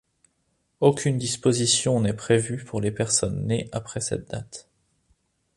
Aucune disposition n'est prévue pour les personnes nées après cette date.